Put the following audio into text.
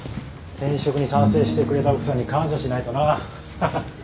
転職に賛成してくれた奥さんに感謝しないとなハハッ。